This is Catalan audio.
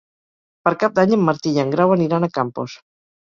Per Cap d'Any en Martí i en Grau aniran a Campos.